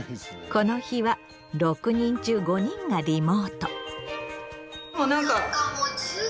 この日は６人中５人がリモート。